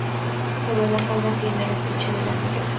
Sobre la falda tiene el estuche del anillo.